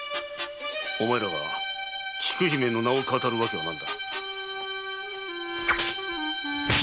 お前らが菊姫の名を騙るわけは何だ。